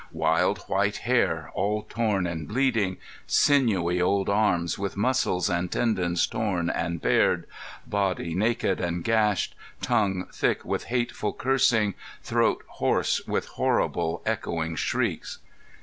Wild white hair all torn and bleeding, sinewy old arms with muscles and tendons torn and bared, body naked and gashed, tongue thick with hateful cursing, throat hoarse with horribly echoing shrieks!